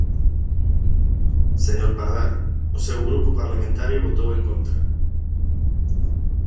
Señor Pardal, o seu grupo parlamentario votou en contra.